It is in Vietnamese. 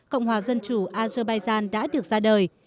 cộng hòa dân chủ azerbaijan đã được ra đời